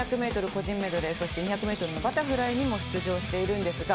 個人メドレー、そして２００メートルのバタフライにも出場しているんですが。